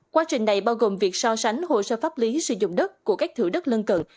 quá trình này bao gồm việc so sánh hồ sơ pháp lý sử dụng đất của các thử đất lân cận